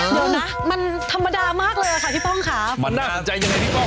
เดี๋ยวนะมันธรรมดามากเลยอ่ะค่ะพี่ป้องค่ะมันน่าสนใจยังไงพี่ป้อง